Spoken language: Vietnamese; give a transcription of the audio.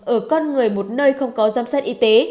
ở con người một nơi không có giám sát y tế